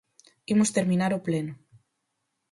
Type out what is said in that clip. Imos terminar o pleno.